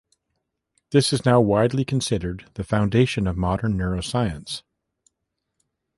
This is now widely considered the foundation of modern neuroscience.